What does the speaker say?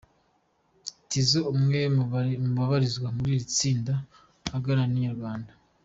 Tizzo umwe mu babarizwa muri iri tsinda aganira na Inyarwanda.